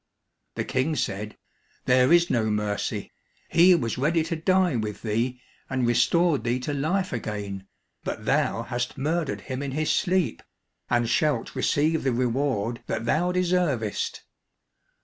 The King said, "There is no mercy. He was ready to die with thee and restored thee to life again, but thou hast murdered him in his sleep, and shalt receive the reward that thou deservest."